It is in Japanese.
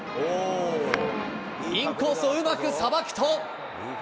インコースをうまくさばくと。